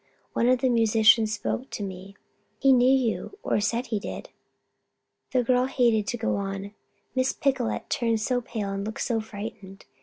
One of the musicians spoke to me. He knew you or said he did " The girl hated to go on, Miss Picolet turned so pale and looked so frightened.